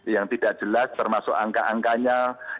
yang tidak jelas termasuk angka angkanya